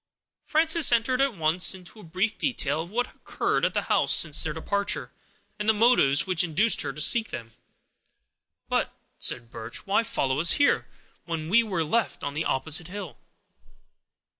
Frances entered at once into a brief detail of what had occurred at the house since their departure, and the motives which induced her to seek them. "But," said Birch, "why follow us here, when we were left on the opposite hill?"